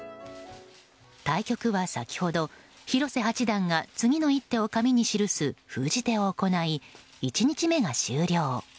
対局は先ほど広瀬八段が次の１手を紙に記す封じ手を行い１日目が終了。